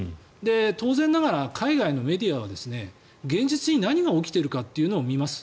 当然ながら海外のメディアは現実に何が起きてるのかっていうのを見ます。